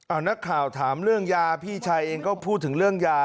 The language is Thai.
เอานักข่าวถามเรื่องยาพี่ชายเองก็พูดถึงเรื่องยา